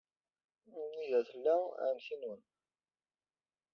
Anida tella ɛemmti-nwen?